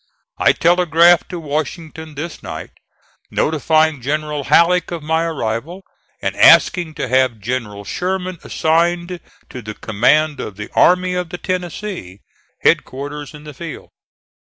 I telegraphed to Washington this night, notifying General Halleck of my arrival, and asking to have General Sherman assigned to the command of the Army of the Tennessee, headquarters in the field.